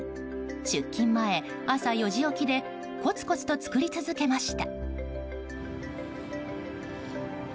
出勤前、朝４時起きでコツコツと作り続けました。